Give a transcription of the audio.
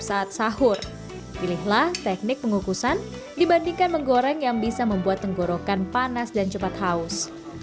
saat sahur pilihlah teknik pengukusan dibandingkan menggoreng yang bisa membuat tenggorokan panas dan cepat haus